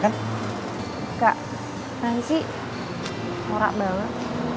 enggak nanti morak banget